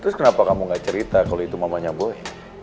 terus kenapa kamu gak cerita kalau itu mamanya boy